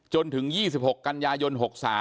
จนถึง๒๖กันยายน๖๓